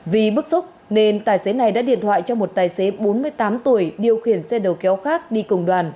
vì bức xúc nên tài xế này đã điện thoại cho một tài xế bốn mươi tám tuổi điều khiển xe đầu kéo khác đi cùng đoàn